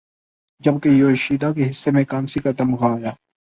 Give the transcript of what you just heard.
جبکہ یوشیدا کے حصے میں کانسی کا تمغہ آیا